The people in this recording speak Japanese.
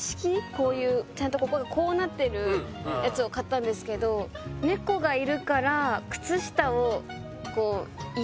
こういうちゃんとここがこうなってるやつを買ったんですけどんですけどんですよ